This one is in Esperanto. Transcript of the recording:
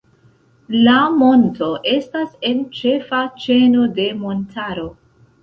La monto estas en ĉefa ĉeno de montaro.